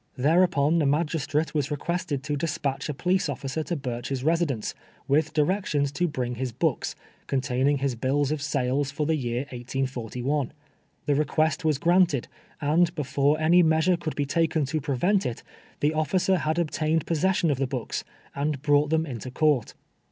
Thereup on the magistrate was requested to dispatch a police officer to ]iurch's residence, with directions to bring his books, containing his bills of sales for the year 1841. The request was granted, and before any meas ure could be taken to prevent it, the officer had ob tained possession of the books, and br(jught them into court.